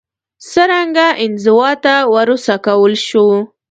څرنګه انزوا ته وروڅکول شو